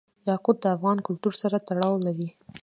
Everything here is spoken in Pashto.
یاقوت د افغان کلتور سره تړاو لري.